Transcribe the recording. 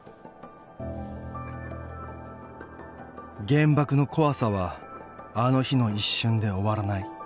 原爆の怖さはあの日の一瞬で終わらない。